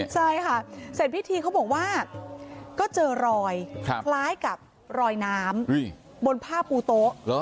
ใช่ค่ะเสร็จพิธีเขาบอกว่าก็เจอรอยคล้ายกับรอยน้ำบนผ้าปูโต๊ะ